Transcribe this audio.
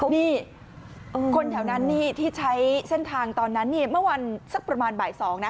นี่คนแถวนั้นนี่ที่ใช้เส้นทางตอนนั้นเนี่ยเมื่อวันสักประมาณบ่าย๒นะ